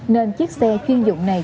nên chiếc xe chuyên dụng này